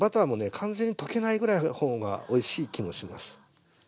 完全に溶けないぐらいの方がおいしい気もします。